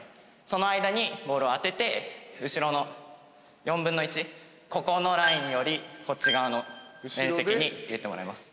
その間にボールを当てて後ろの４分の１ここのラインよりこっち側の面積に入れてもらいます。